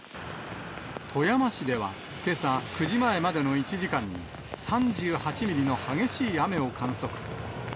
富山市ではけさ９時前までの１時間に、３８ミリの激しい雨を観測。